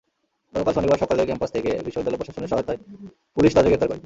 গতকাল শনিবার সকালে ক্যাম্পাস থেকে বিশ্ববিদ্যালয় প্রশাসনের সহায়তায় পুলিশ তাঁদের গ্রেপ্তার করে।